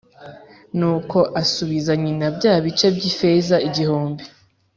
Nuko asubiza nyina bya bice by’ ifeza igihumbi